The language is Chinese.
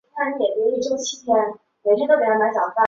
马格兹恩是一个位于美国阿肯色州洛根县的城市。